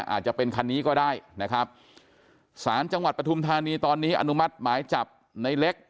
อาจจะเป็นคันนี้ก็ได้นะครับสารจังหวัดปฐุมธานีตอนนี้อนุมัติหมายจับในเล็ก